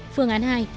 phương án hai